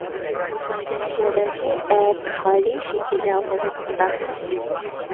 বাড়ি আসিয়া দেখে-এক হ্যাঁড়ি সেকেলে আমলের টাকা।